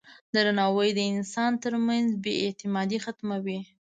درناوی د انسانانو ترمنځ بې اعتمادي ختموي.